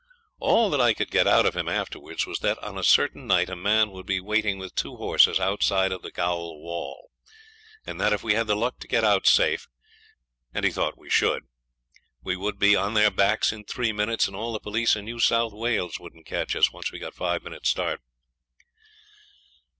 All that I could get out of him afterwards was that on a certain night a man would be waiting with two horses outside of the gaol wall; and that if we had the luck to get out safe, and he thought we should, we would be on their backs in three minutes, and all the police in New South Wales wouldn't catch us once we got five minutes' start.